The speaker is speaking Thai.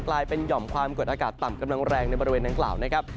กลายเป็นหย่อมความกดอากาศต่ำกำลังแรงในบริเวณดังกล่าวนะครับ